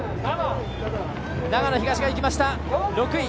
長野東がいきました、６位。